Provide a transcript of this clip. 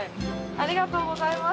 ありがとうございます。